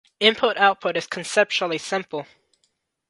Input-output is conceptually simple.